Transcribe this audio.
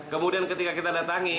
kemudian ketika kita datangi